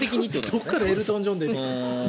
どこからエルトン・ジョンが出てきたの？